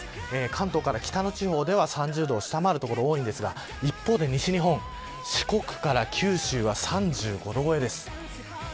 関東から北の地方では３０度を下回る所が多いですが一方で西日本四国から九州は３５度超えです。